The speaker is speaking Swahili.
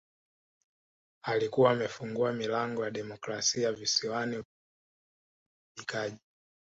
Alikuwa amefungua milango ya demokrasia Visiwani utawala bora na uwajibikaji